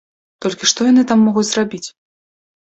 Толькі што яны там могуць зрабіць?